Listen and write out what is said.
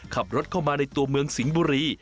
ขับรถเข้ามาในตัวเมืองสิงห์บุรี